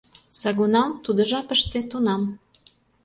Сагунам — тудо жапыште, тунам.